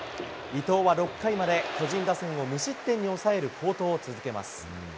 伊藤は６回まで巨人打線を無失点に抑える好投を続けます。